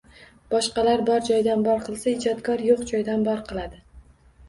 Boshqalar bor joydan bor qilsa, ijodkor yo’q joydan bor qiladi.